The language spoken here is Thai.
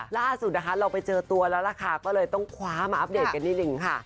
ล่าสุดนะคะเราไปเจอตัวแล้วล่ะค่ะก็เลยต้องคว้ามาอัปเดตกันนิดนึงค่ะ